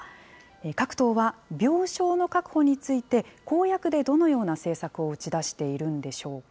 各党は病床の確保について、公約でどのような政策を打ち出しているんでしょうか。